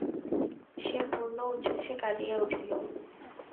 সে পূর্ণ উচ্ছ্বাসে কাঁদিয়া উঠিল।